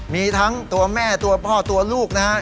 มีทั้งตัวแม่ตัวพ่อตัวลูกนะครับ